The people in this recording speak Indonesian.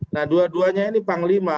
nah dua duanya ini panglima